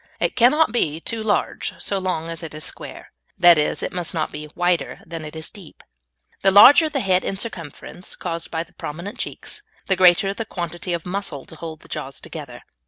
It cannot be too large so long as it is square; that is, it must not be wider than it is deep. The larger the head in circumference, caused by the prominent cheeks, the greater the quantity of muscle to hold the jaws together.